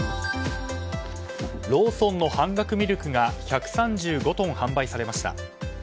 ローソンの半額ミルクが１３５トン販売されました。